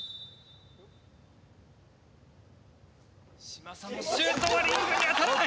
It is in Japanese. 嶋佐のシュートはリングに当たらない！